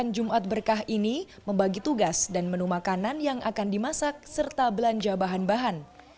jumat berkah ini membagi tugas dan menu makanan yang akan dimasak serta belanja bahan bahan